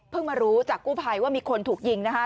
มารู้จากกู้ภัยว่ามีคนถูกยิงนะคะ